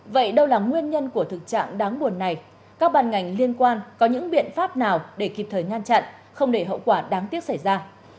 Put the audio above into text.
vậy đâu là nguyên nhân của thực trạng đáng buồn này các bàn ngành liên quan có những biện pháp nào để kịp thời ngăn chặn không để hậu quả đáng tiếc xảy ra